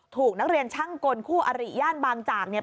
ถูกนักเรียนช่างกลคู่อริย่านบางจากเนี่ย